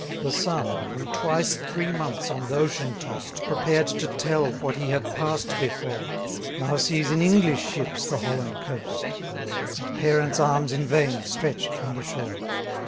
33 The son, who twice three months on th' ocean tost, Prepared to tell what he had pass'd before, Now sees in English ships the Holland coast, And parents' arms in vain stretch'd from the shore.